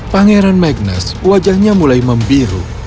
pangeran magness wajahnya mulai membiru